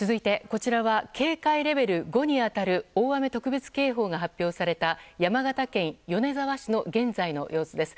こちらは警戒レベル５に当たる大雨特別警報が発表された山形県米沢市の現在の様子です。